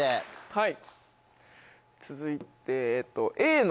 はい。